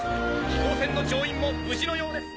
飛行船の乗員も無事のようです。